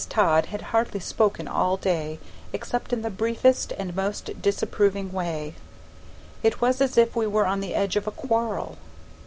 Todd had hardly spoken all day except in the briefest and most disapproving way; it was as if we were on the edge of a quarrel.